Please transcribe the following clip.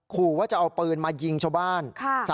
ขู่ว่าจะเอาปืนมายิงชาวบ้าน